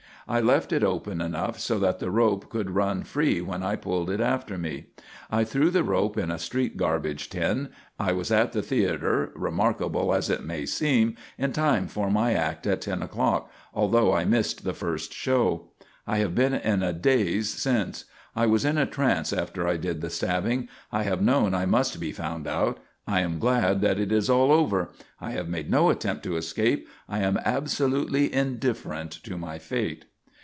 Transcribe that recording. I left it open enough so that the rope could run free when I pulled it after me. I threw the rope in a street garbage tin. I was at the theatre, remarkable as it may seem, in time for my act at ten o'clock, although I missed the first show. I have been in a daze since; I was in a trance after I did the stabbing. I have known I must be found out. I am glad that it is all over. I have made no attempt to escape. I am absolutely indifferent to my fate."